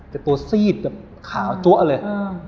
แต่ตัวซีดแบบขาวจั๊วเลย